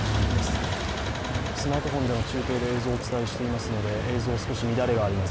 スマートフォンでの映像で中継をお伝えしていますので映像、少し乱れがあります。